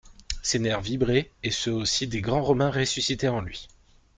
Ses nerfs vibraient, et ceux aussi des grands Romains ressuscités en lui.